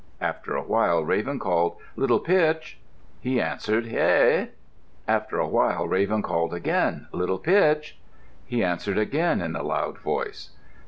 After a while Raven called, "Little Pitch!" He answered, "Heh!" After a while Raven called again, "Little Pitch!" He answered again in a loud voice.